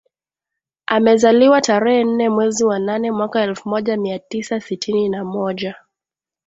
amezaliwa tarehe nne mwezi wa nane mwaka elfu moja mia tisa sitini na moja